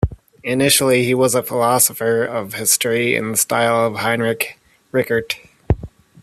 Initially he was a philosopher of history in the style of Heinrich Rickert.